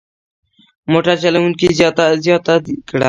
موټر چلوونکي زیاته کړه.